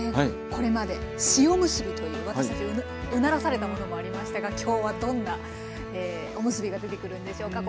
これまで塩むすびという私たちうならされたものもありましたが今日はどんなおむすびが出てくるんでしょうか。